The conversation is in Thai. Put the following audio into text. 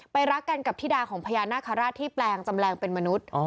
รักกันกับธิดาของพญานาคาราชที่แปลงจำแรงเป็นมนุษย์